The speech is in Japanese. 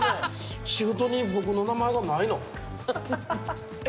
シフトに僕の名前がないの。え？